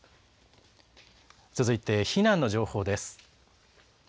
続いて避難の情報です。